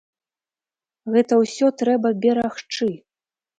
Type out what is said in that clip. Гэта ўсё трэба берагчы!